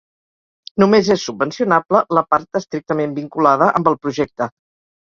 Només és subvencionable la part estrictament vinculada amb el projecte.